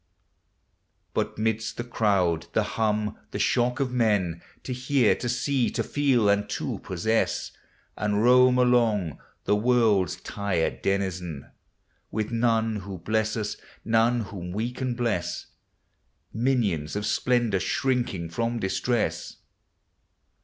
But midst the crowd, the hum, the shock of men To hear, to see, to feel, and to possess, And roam along, the world's tired denizen, With noue who bless us, none whom we can bless; Minions of splendor shrinking from distress!